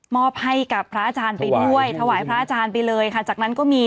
อบให้กับพระอาจารย์ไปด้วยถวายพระอาจารย์ไปเลยค่ะจากนั้นก็มี